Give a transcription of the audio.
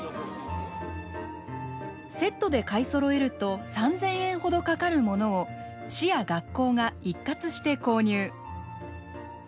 セットで買いそろえると３，０００円ほどかかるものを市や学校が一括して購入。